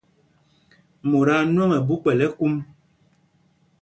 Mot aa nwɔŋ ɛ ɓu kpɛl ɛkúm.